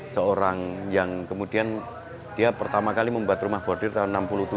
seorang yang kemudian dia pertama kali membuat rumah bordir tahun seribu sembilan ratus tujuh puluh